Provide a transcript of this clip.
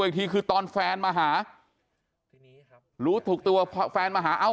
อีกทีคือตอนแฟนมาหาทีนี้รู้ถูกตัวแฟนมาหาเอ้า